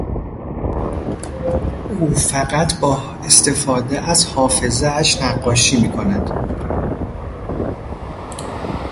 او فقط با استفاده از حافظهاش نقاشی می کند.